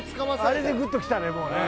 あれでグッときたねもうね。